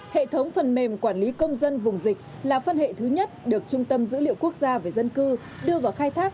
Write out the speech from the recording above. hệ thống phần mềm quản lý công dân vùng dịch là phân hệ thứ nhất được trung tâm dữ liệu quốc gia về dân cư đưa vào khai thác